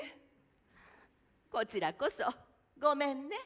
こちらこそごめんね。